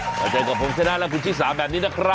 มาเจอกับผมชนะและคุณชิสาแบบนี้นะครับ